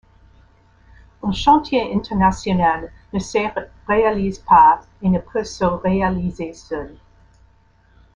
Un chantier international ne se réalise pas et ne peut se réaliser seul.